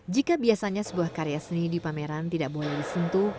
jika biasanya sebuah karya seni di pameran tidak boleh disentuh